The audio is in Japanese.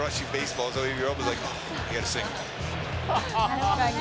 確かにね。